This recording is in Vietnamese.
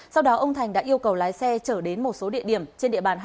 sau đó ông thành đã yêu cầu lái xe trở đến một số địa điểm trên địa bàn